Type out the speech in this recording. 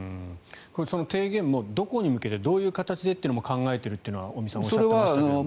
その提言も、どこに向けてどういう形でというのも考えているというのは尾身さんおっしゃっていましたが。